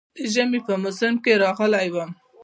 د ژمي په موسم کې راغلی وم.